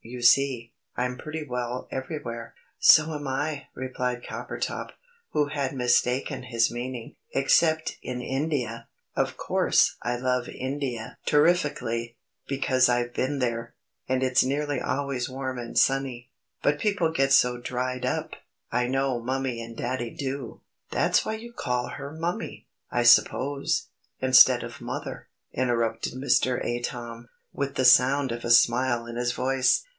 "You see, I'm pretty well everywhere." "So am I," replied Coppertop, who had mistaken his meaning, "except in India! Of course I love India terrifikly, because I've been there, and it's nearly always warm and sunny; but people get so dried up I know Mummie and Daddy do!" "That's why you call her Mummie, I suppose, instead of Mother?" interrupted Mr. Atom, with the sound of a smile in his voice.